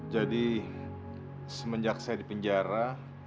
jadi semenjak saya dipenjara